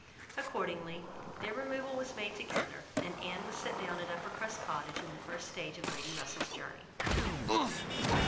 Accordingly their removal was made together, and Anne was set down at Uppercross Cottage, in the first stage of Lady Russell's journey.